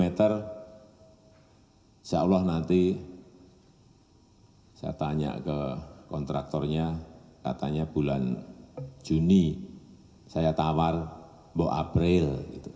insyaallah nanti saya tanya ke kontraktornya katanya bulan juni saya tawar mbok april